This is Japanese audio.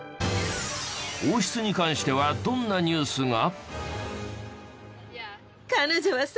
王室に関してはどんなニュースが？